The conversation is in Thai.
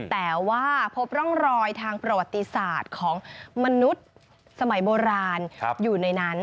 แต่ว่าพบร่องรอยทางประวัติศาสตร์ของมนุษย์สมัยโบราณอยู่ในนั้น